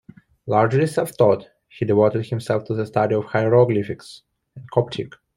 Largely self-taught, he devoted himself to the study of hieroglyphics and Coptic.